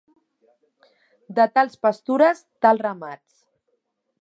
De tals pastures, tals ramats.